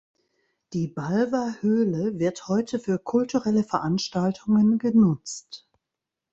Die Balver Höhle wird heute für kulturelle Veranstaltungen genutzt.